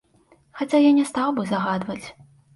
Хаця, я не стаў бы загадваць.